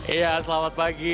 iya selamat pagi